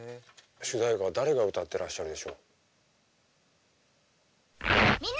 主題歌誰が歌ってらっしゃるでしょう？